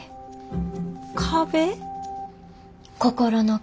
壁？